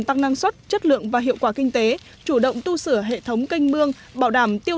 tăng năng suất chất lượng và hiệu quả kinh tế chủ động tu sửa hệ thống canh mương bảo đảm tiêu